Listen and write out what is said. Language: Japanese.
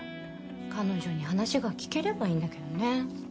彼女に話が聞ければいいんだけどね。